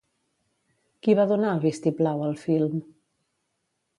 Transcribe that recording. Qui va donar el vistiplau al film?